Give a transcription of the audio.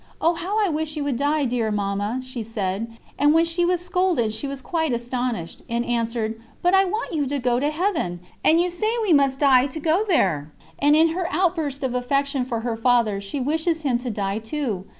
'Oh, how I wish you would die, dear Mamma,' she said, and when she was scolded she was quite astonished, and answered: 'But I want you to go to Heaven, and you say we must die to go there'; and in her outburst of affection for her Father she wishes him to die too.